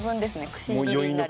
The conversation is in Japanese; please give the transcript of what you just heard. くし切りになります。